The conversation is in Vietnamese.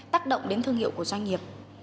tác động đến thương hiệu của doanh nghiệp